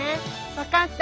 わかった。